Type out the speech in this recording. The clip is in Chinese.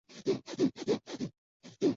二审高院更审为十五年有期徒刑。